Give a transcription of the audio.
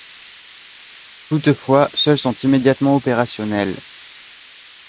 Toutefois, seuls sont immédiatement opérationnels.